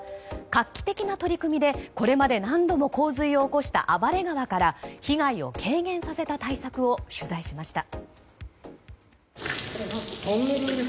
画期的な取り組みでこれまで何度も洪水を起こした暴れ川から被害を軽減させた対策を取材しました。